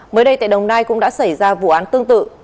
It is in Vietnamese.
mới đây tại đồng nai cũng đã xảy ra vụ án tương tự